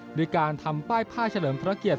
โดยการทำป้ายผ้าเฉลิมพระเกียรติ